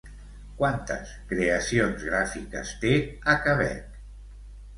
Quantes creacions gràfiques té a Quebec?